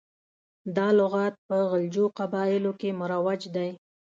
دا لغات په غلجو قبایلو کې مروج دی.